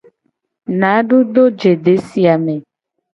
Nadu do je desi a me.